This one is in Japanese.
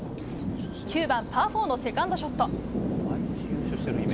９番パー４のセカンドショット。